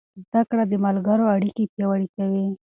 زده کړه د ملګرو اړیکې پیاوړې کوي.